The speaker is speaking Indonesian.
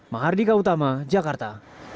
mahardika utama jakarta